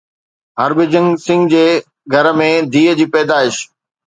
هرڀجن سنگهه جي گهر ۾ ڌيءَ جي پيدائش